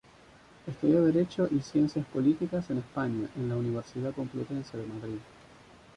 Estudió Derecho y Ciencias Políticas en España, en la Universidad Complutense de Madrid.